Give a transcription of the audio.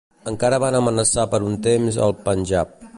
Encara van amenaçar per un temps el Panjab.